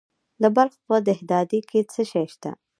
د بلخ په دهدادي کې څه شی شته؟